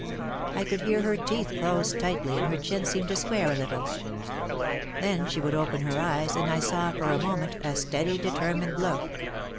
I could hear her teeth close tightly and her chin seemed to square a little. Then she would open her eyes and I saw for a moment a steady, determined look.